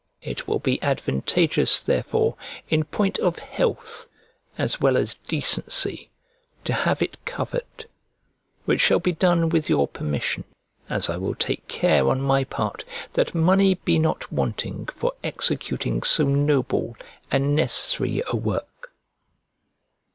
It will be advantageous, therefore, in point of health, as well as decency, to have it covered; which shall be done with your permission: as I will take care, on my part, that money be not wanting for executing so noble and necessary a work.